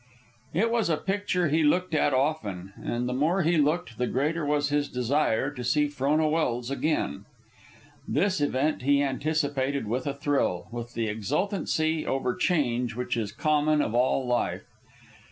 It was a picture he looked at often, and the more he looked the greater was his desire, to see Frona Welse again. This event he anticipated with a thrill, with the exultancy over change which is common of all life.